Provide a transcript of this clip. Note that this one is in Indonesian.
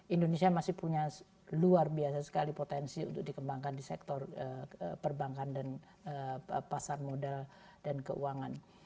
indonesia masih punya luar biasa sekali potensi untuk dikembangkan di sektor perbankan dan pasar modal dan keuangan